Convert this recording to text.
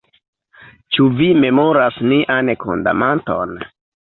Ĉu vi memoras nian komandanton?